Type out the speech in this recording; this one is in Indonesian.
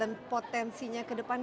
dan potensinya ke depan